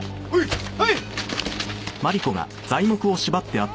はい！